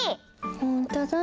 ほんとだ。